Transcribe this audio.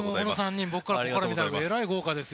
ここから見たらえらい豪華です。